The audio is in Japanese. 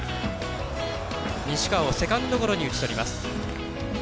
西川をセカンドゴロに打ち取ります。